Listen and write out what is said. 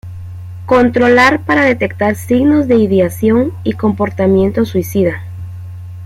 Controlar para detectar signos de ideación y comportamiento suicida.